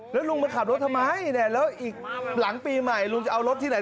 แล้วลุงมาขับรถทำไมเนี่ยแล้วอีกหลังปีใหม่ลุงจะเอารถที่ไหน